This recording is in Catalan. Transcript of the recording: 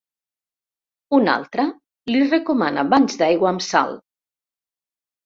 Una altra li recomana banys d'aigua amb sal.